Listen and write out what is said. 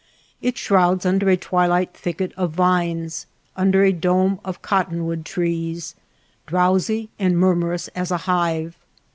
It shrouds under a twilight thicket of vines, under a dome of cottonwood trees, drowsy and murmurous as a hive.